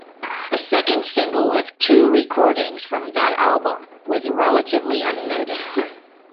A second single of two recordings from that album was relatively unnoticed.